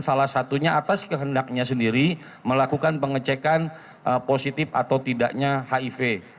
salah satunya atas kehendaknya sendiri melakukan pengecekan positif atau tidaknya hiv